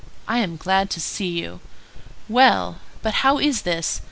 "I am glad to see you. Well, but how is this?